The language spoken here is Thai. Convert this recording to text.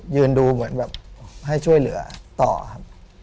ยืนดูเหมือนแบบใช่หรือต่อค่ะ